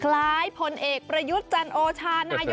กลายเป็นประเพณีที่สืบทอดมาอย่างยาวนาน